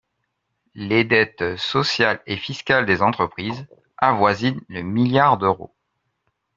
Les dettes sociales et fiscales des entreprises avoisinent le milliard d’euros.